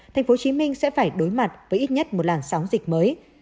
tp hcm sẽ phải đối mặt với ít nhất một làn sóng dịch mới